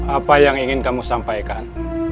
apa yang ingin kamu sampaikan